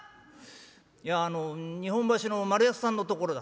「いやあの日本橋の丸安さんのところだ」。